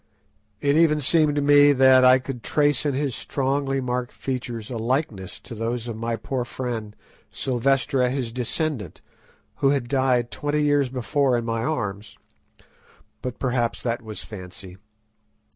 It even seemed to me that I could trace in his strongly marked features a likeness to those of my poor friend Silvestre his descendant, who had died twenty years before in my arms, but perhaps that was fancy.